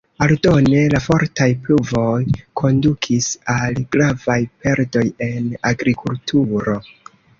Aldone, la fortaj pluvoj kondukis al gravaj perdoj en agrikulturo.